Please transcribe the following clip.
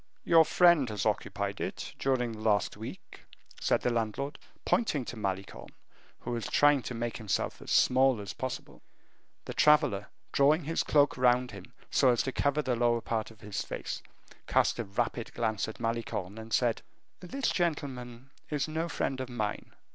"Your friend has occupied it during the last week," said the landlord, pointing to Malicorne, who was trying to make himself as small as possible. The traveler, drawing his cloak round him so as to cover the lower part of his face, cast a rapid glance at Malicorne, and said, "This gentleman is no friend of mine."